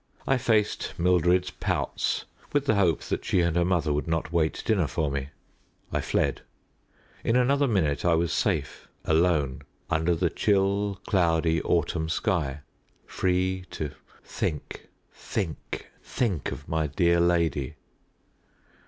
I faced Mildred's pouts with the hope that she and her mother would not wait dinner for me. I fled. In another minute I was safe, alone, under the chill, cloudy autumn sky free to think, think, think of my dear lady.